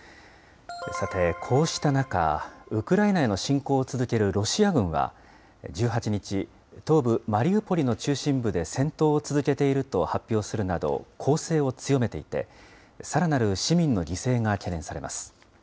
さて、こうした中、ウクライナへの侵攻を続けるロシア軍は、１８日、東部マリウポリの中心部で戦闘を続けていると発表するなど、攻勢を強めていて、さらなる市民の犠牲が懸念されます。